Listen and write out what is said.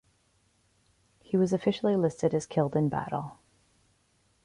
He was officially listed as killed in battle.